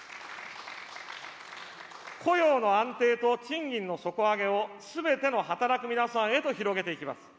雇用の安定と賃金の底上げを、すべての働く皆さんへと広げていきます。